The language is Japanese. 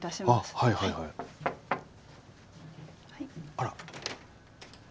あら？